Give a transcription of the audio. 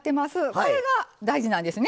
これが大事なんですね。